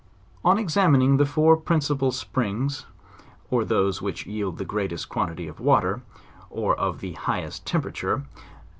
On examining the four principal springs, or these which yield the greatest quantity of water, or of the highest tem perature, No.